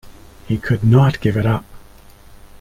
He could not give it up.